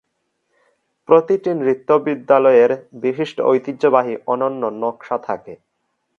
প্রতিটি নৃত্য বিদ্যালয়ের বিশিষ্ট ঐতিহ্যবাহী অনন্য নকশা থাকে।